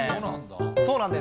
そうなんだ。